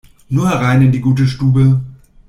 Nur herein in die gute Stube!